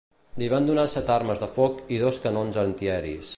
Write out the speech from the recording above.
Li van donar set armes de foc i dos canons antiaeris.